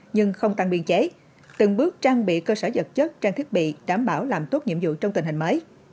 nhưng không tăng biên chế từng bước trang bị cơ sở vật chất trang thiết bị đảm bảo làm tốt nhiệm vụ trong tình hình mới